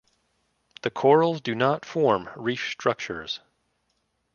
The corals do not form reef structures.